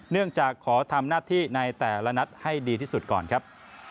เนื่องจากขอทำหน้าที่ในแต่ละนัดให้ดีที่สุดก่อนครับ